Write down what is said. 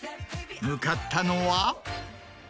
向かったのは。